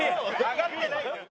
上がってない。